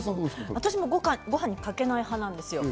私もご飯にかけない派なんです。